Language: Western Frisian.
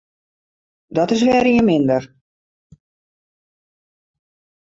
Dat is wer ien minder.